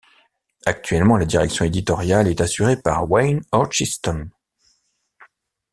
Actuellement, la direction éditoriale est assurée par Wayne Orchiston.